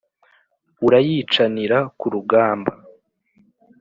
Urayicanira ku rugamba